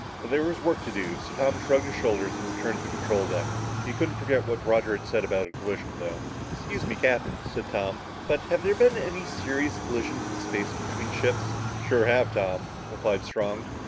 But there was work to do, so Tom shrugged his shoulders and returned to the control deck. He couldn't forget what Roger had said about a collision, though. "Excuse me, Captain," said Tom, "but have there been any serious collisions in space between ships?" "Sure have, Tom," replied Strong.